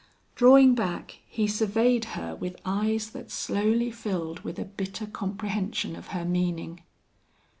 Drawing back, he surveyed her with eyes that slowly filled with a bitter comprehension of her meaning.